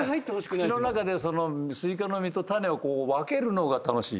口の中でスイカの実と種を分けるのが楽しい。